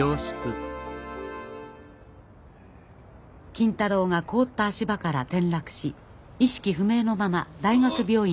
金太郎が凍った足場から転落し意識不明のまま大学病院へ担ぎ込まれました。